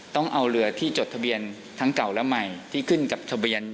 ต้องเอาเรือที่จดทะเบียนทั้งเก่าและใหม่ที่ขึ้นกับทะเบียน